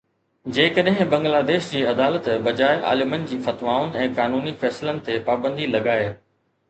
جيڪڏهن بنگلاديش جي عدالت بجاءِ عالمن جي فتوائن ۽ قانوني فيصلن تي پابندي لڳائي